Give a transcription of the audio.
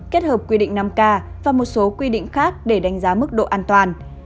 kết hợp quy định năm k và một số quy định khác để đánh giá mức độ an toàn